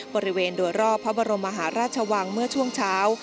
บริเวณโดยรอบพระบรมมหาราชวังเมื่อช่วงเช้า